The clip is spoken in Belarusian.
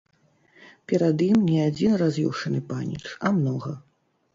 Перад ім не адзін раз'юшаны паніч, а многа.